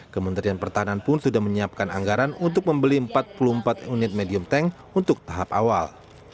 kementerian pertahanan pun sudah menyiapkan anggaran untuk membeli empat puluh empat unit medium tank untuk tahap awal